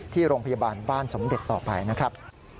ที่โรงพยาบาลบ้านสมเด็จต่อไปนะครับ